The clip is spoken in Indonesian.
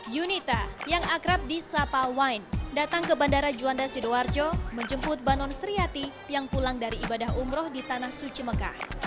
yunita yang akrab di sapa wine datang ke bandara juanda sidoarjo menjemput banon sriati yang pulang dari ibadah umroh di tanah suci mekah